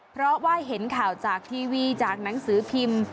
เพราะว่าเห็นข่าวจากทีวีจากหนังสือพิมพ์